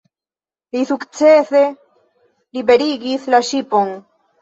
Li sukcese liberigis la ŝipon.